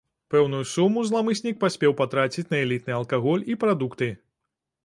Пэўную суму зламыснік паспеў патраціць на элітны алкаголь і прадукты.